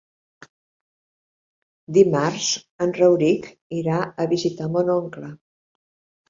Dimarts en Rauric irà a visitar mon oncle.